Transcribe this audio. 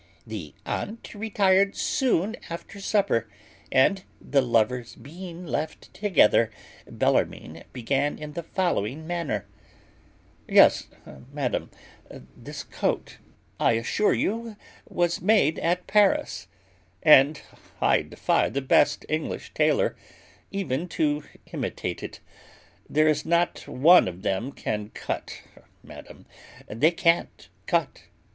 The aunt retired soon after supper; and, the lovers being left together, Bellarmine began in the following manner: "Yes, madam; this coat, I assure you, was made at Paris, and I defy the best English taylor even to imitate it. There is not one of them can cut, madam; they can't cut.